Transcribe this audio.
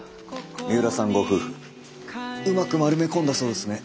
三浦さんご夫婦うまく丸め込んだそうですね。